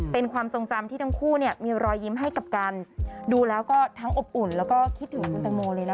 เป็นความทรงจำที่ทั้งคู่เนี่ยมีรอยยิ้มให้กับกันดูแล้วก็ทั้งอบอุ่นแล้วก็คิดถึงคุณแตงโมเลยนะ